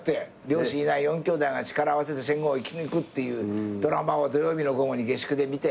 両親いない四きょうだいが力を合わせて戦後を生き抜くっていうドラマを土曜日の午後に下宿で見て。